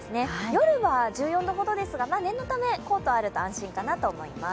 夜は１４度ほどですが、念のため、コートがあると安心かなと思います。